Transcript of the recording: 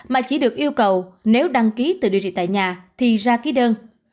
mà chỉ được yêu cầu nếu đăng ký tự điều trị tại nhà thì ra ký đơn